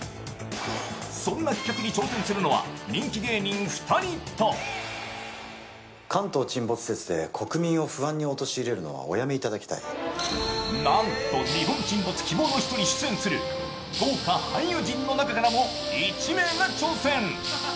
そんな企画に挑戦するのは人気芸人２人となんと、「日本沈没−希望のひと−」に出演する豪華俳優陣の中からも１名が挑戦。